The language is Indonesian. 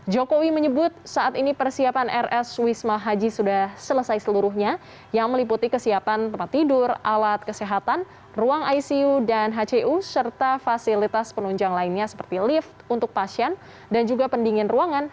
jokowi menyebut saat ini persiapan rs wisma haji sudah selesai seluruhnya yang meliputi kesiapan tempat tidur alat kesehatan ruang icu dan hcu serta fasilitas penunjang lainnya seperti lift untuk pasien dan juga pendingin ruangan